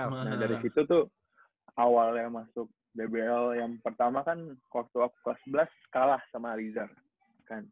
nah dari situ tuh awalnya masuk dbl yang pertama kan waktu aku kelas sebelas kalah sama arizar kan